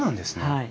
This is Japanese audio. はい。